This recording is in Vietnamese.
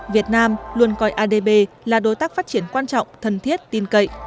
việt nam luôn coi adb là đối tác phát triển quan trọng thân thiết tin cậy